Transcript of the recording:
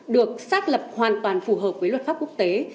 được xác lập hoàn toàn phù hợp với luật pháp quốc tế